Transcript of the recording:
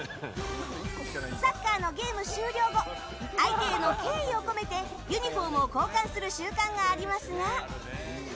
サッカーのゲーム終了後相手への敬意を込めてユニホームを交換する習慣がありますが。